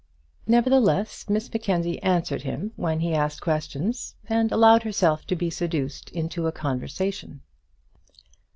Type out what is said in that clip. Nevertheless, Miss Mackenzie answered him when he asked questions, and allowed herself to be seduced into a conversation.